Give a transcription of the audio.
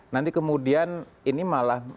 nanti kemudian ini malah